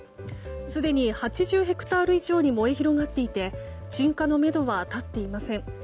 すでに８０ヘクタール以上に燃え広がっていて鎮火のめどは立っていません。